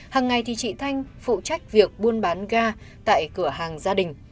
hằng ngày thì chị thanh phụ trách việc buôn bán ga tại cửa hàng gia đình